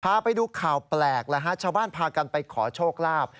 พาไปดูข่าวแปลกแล้วฮะชาวบ้านพากันไปขอโชคลาภ